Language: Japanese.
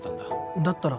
だったら。